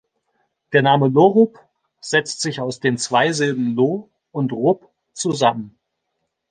Der Name Lorup setzt sich aus den zwei Silben Lo- und -rup zusammen.